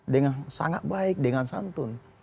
dengan sangat baik dengan santun